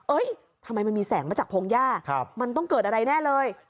ทำไมมันมีแสงมาจากพงหญ้ามันต้องเกิดอะไรแน่เลย